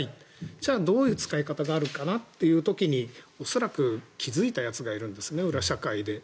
じゃあ、どういう使い方があるかなという時に恐らく気付いたやつがいるんですよね、裏社会で。